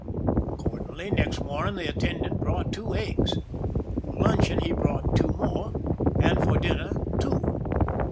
Accordingly, next morning the attendant brought two eggs; for luncheon he brought two more, and for dinner two.